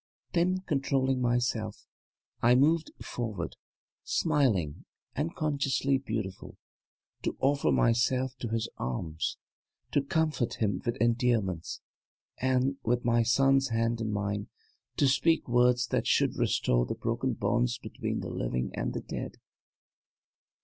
Then, controlling myself, I moved forward, smiling and consciously beautiful, to offer myself to his arms, to comfort him with endearments, and, with my son's hand in mine, to speak words that should restore the broken bonds between the living and the dead.